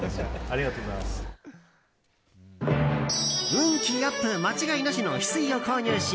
運気アップ間違いなしのヒスイを購入し